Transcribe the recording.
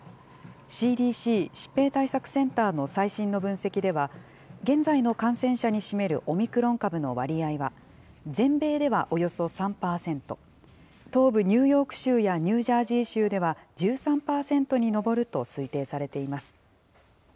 ＣＤＣ・疾病対策センターの最新の分析では、現在の感染者に占めるオミクロン株の割合は、全米ではおよそ３％、東部ニューヨーク州やニュージャージー州では１３％に上ると推定されています。